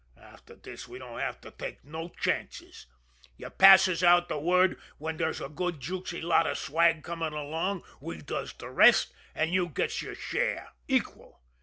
After this we don't have to take no chances. You passes out de word when there's a good juicy lot of swag comin' along, we does de rest, and you gets your share equal.